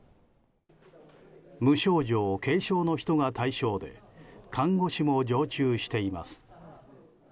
無症状・軽症の人が対象で看護師も常駐しています。